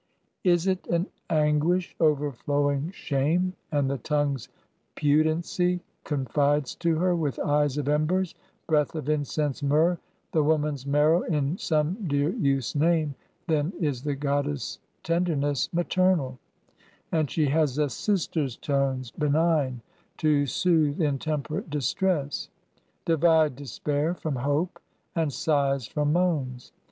Is it an anguish overflowing shame And the tongue's pudency confides to her, With eyes of embers, breath of incense myrrh, The woman's marrow in some dear youth's name, Then is the Goddess tenderness Maternal, and she has a sister's tones Benign to soothe intemperate distress, Divide despair from hope, and sighs from moans.